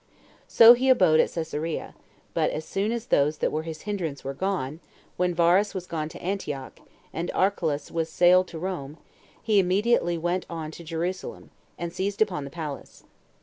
So he abode at Cesarea; but as soon as those that were his hinderance were gone, when Varus was gone to Antioch, and Archelaus was sailed to Rome, he immediately went on to Jerusalem, and seized upon the palace.